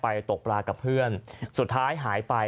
ตกปลากับเพื่อนสุดท้ายหายไป